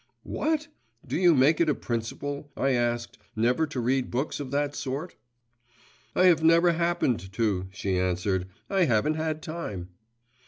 'What? do you make it a principle,' I asked, 'never to read books of that sort?' 'I have never happened to,' she answered; 'I haven't had time!